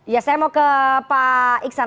ya saya mau ke pak iksan